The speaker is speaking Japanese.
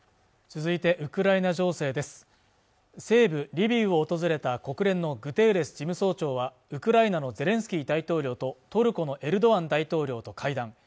続いてウクライナ情勢です西部リビウを訪れた国連のグテーレス事務総長はウクライナのゼレンスキー大統領とトルコのエルドアン大統領と会談